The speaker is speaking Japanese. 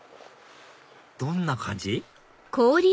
どんな感じ？